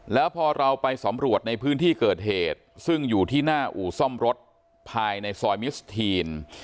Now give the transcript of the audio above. แล้วพอเราไปสำรวจในพื้นที่เกิดเหตุซึ่งอยู่ที่หน้าอู่ซ่อมรถภายในซอยมิสทีน